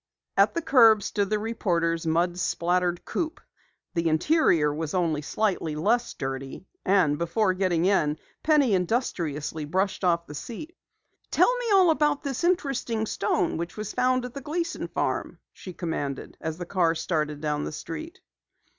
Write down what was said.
At the curb stood the reporter's mud splattered coupe. The interior was only slightly less dirty, and before getting in, Penny industriously brushed off the seat. "Tell me all about this interesting stone which was found at the Gleason farm," she commanded, as the car started down the street.